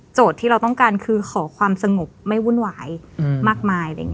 โจทย์ที่เราต้องการคือขอความสงบไม่วุ่นวายมากมาย